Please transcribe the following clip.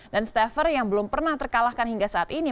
dan stafer yang belum pernah terkalahkan hingga saat ini